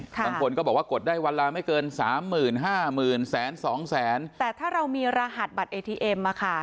บางคนก็บอกว่ากดได้วันละไม่เกินสามหมื่นห้าหมื่นแสนสองแสนแต่ถ้าเรามีรหัสบัตรเอทีเอ็มมาค่ะ